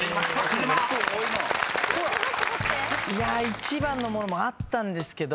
一番のものもあったんですけど。